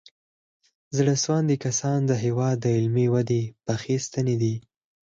زړه سواندي کسان د هېواد د علمي ودې پخې ستنې دي.